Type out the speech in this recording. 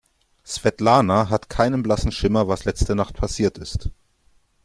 Svetlana hat keinen blassen Schimmer, was letzte Nacht passiert ist.